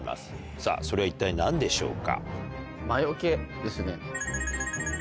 さぁそれは一体何でしょうか？